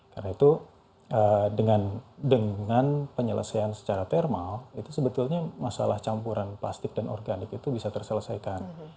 karena itu dengan penyelesaian secara thermal itu sebetulnya masalah campuran plastik dan organik itu bisa terselesaikan